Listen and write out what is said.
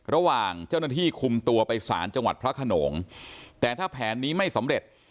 ระหว่างเจ้าหน้าที่คุมตัวไปสารจังหวัดพระขนงแต่ถ้าแผนนี้ไม่สำเร็จ